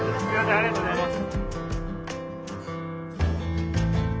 ありがとうございます。